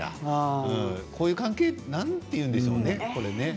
こういう関係なんて言うんでしょうね。